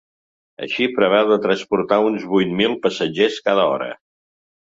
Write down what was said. Així preveu de transportar uns vuit mil passatgers cada hora.